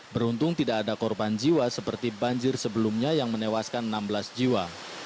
beruntung tidak ada korban jiwa seperti banjir sebelumnya yang menewaskan enam belas jiwa